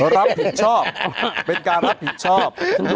รับผิดชอบเป็นการรับผิดชอบ